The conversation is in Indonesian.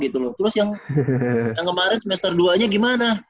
terus yang kemarin semester dua nya gimana